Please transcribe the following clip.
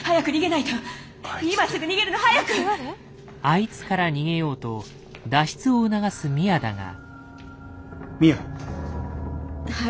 「あいつ」から逃げようと脱出を促すミアだが。